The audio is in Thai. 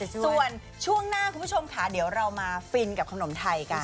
ส่วนช่วงหน้าคุณผู้ชมค่ะเดี๋ยวเรามาฟินกับขนมไทยกัน